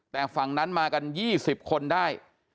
แต่ฝั่งนั้นมากัน๒๐คนได้